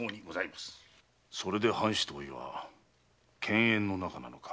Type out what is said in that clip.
それで藩主と甥は犬猿の仲なのか。